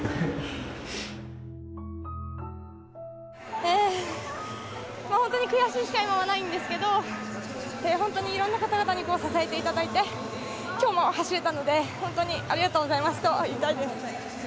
ええホントに悔しいしか今はないんですけどホントに色んな方々に支えていただいて今日も走れたのでホントにありがとうございますと言いたいです